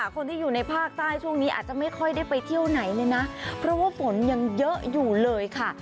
คนที่อยู่ในภาคใต้ช่วงนี้อาจจะไม่ค่อยได้ไปเที่ยวไหนเลยนะเพราะว่าฝนยังเยอะอยู่เลยค่ะ